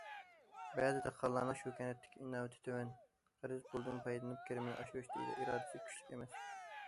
بەزى دېھقانلارنىڭ شۇ كەنتتىكى ئىناۋىتى تۆۋەن، قەرز پۇلدىن پايدىلىنىپ كىرىمنى ئاشۇرۇش ئىرادىسى كۈچلۈك ئەمەس.